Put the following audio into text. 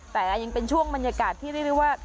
แต่ยังเป็นช่วงบรรยากาศที่เรียกได้ว่า